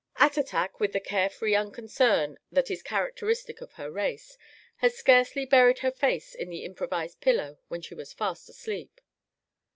Attatak, with the carefree unconcern that is characteristic of her race, had scarcely buried her face in an improvised pillow when she was fast asleep.